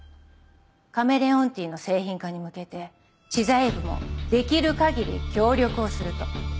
「カメレオンティーの製品化に向けて知財部もできる限り協力をする」と。